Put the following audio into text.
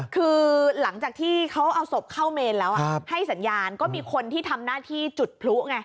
คือหลังจากที่เขาเอาศพเข้าเมนแล้วให้สัญญาณก็มีคนที่ทำหน้าที่จุดพลุไง